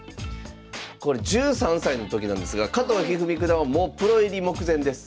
これ１３歳のときなんですが加藤一二三九段はもうプロ入り目前です。